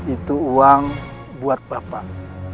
itu uang buat bapak